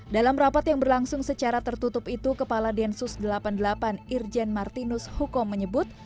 dalam rapat yang berlangsung secara tertutup itu kepala densus delapan puluh delapan irjen martinus hukom menyebut